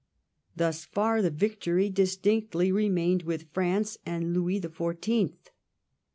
Thus far the victory distinctly remained with France and Louis the Fourteenth.